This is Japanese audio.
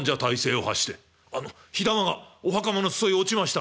「あの火玉がお袴の裾へ落ちましたが」。